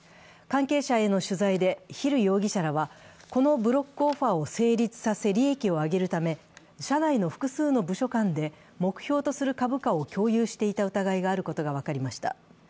関係者への取材でヒル容疑者らはこのブロックオファーを成立させ利益を上げるため社内の複数の部署間で目標とする株価を共有していた疑いがあることが分かりました。